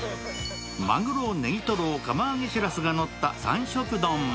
まぐろ、ネギトロ、釜揚げしらすが乗った三色丼。